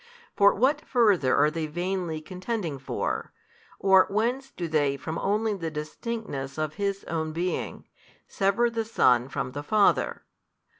For what further are they vainly contending for, or whence do they from only the distinctness of His own Being, sever the Son from the Father?